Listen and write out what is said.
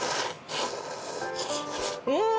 うん！